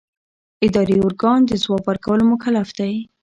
اداري ارګان د ځواب ورکولو مکلف دی.